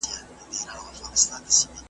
که هر څومره له انسانه سره لوی سي .